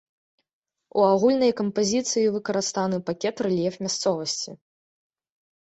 У агульнай кампазіцыі выкарыстаны пакаты рэльеф мясцовасці.